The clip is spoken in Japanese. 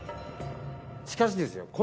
しかしですよ。